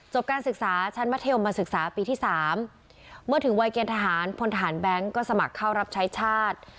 การศึกษาชั้นมัธยมมาศึกษาปีที่๓เมื่อถึงวัยเกณฑหารพลทหารแบงค์ก็สมัครเข้ารับใช้ชาติ